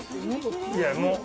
いや、もう。